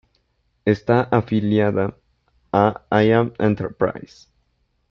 Está afiliada a I'm Enterprise.